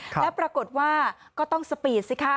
แล้วปรากฏว่าก็ต้องสปีดสิคะ